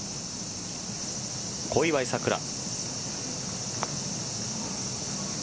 小祝さくら。